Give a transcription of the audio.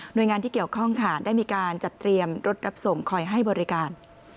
โดยงานที่เกี่ยวข้องค่ะได้มีการจัดเตรียมรถรับส่งคอยให้บริการ